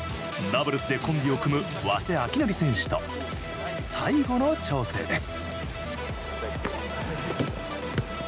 ダブルスでコンビを組む早稲昭範選手と最後の調整です。